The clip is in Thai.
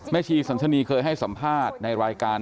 ชีสัญชนีเคยให้สัมภาษณ์ในรายการ